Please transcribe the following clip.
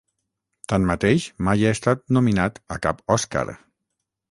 Tanmateix, mai ha estat nominat a cap Oscar.